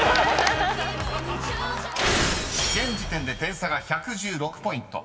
［現時点で点差が１１６ポイント］